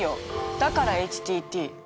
だからＨＴＴ！